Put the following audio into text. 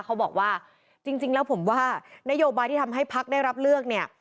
เขาบอกว่าจริงแล้วผมว่านโยบายที่ทำให้พักได้รับเลือกเนี่ย